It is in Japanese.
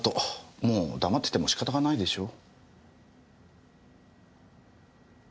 もう黙ってても仕方がないでしょう？